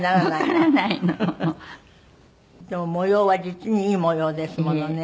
でも模様は実にいい模様ですものね。